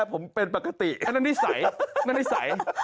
ผมเป็นปกติแล้วนั่นนี่ใสนะฮะ